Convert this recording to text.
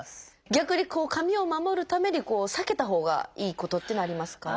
逆に髪を守るために避けたほうがいいことっていうのはありますか？